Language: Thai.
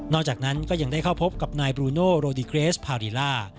จากนั้นก็ยังได้เข้าพบกับนายบลูโนโรดิเกรสพารีล่า